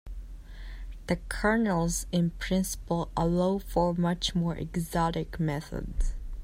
The kernels in principle allow for much more exotic methods.